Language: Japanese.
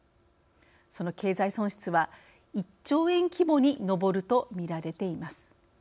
その経済損失は１兆円規模に上るとみられています。